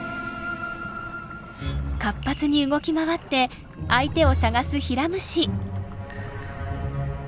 活発に動き回って相手を探すヒラムシ。